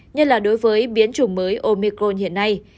như là đối với biến chủng mới omicron hiện nay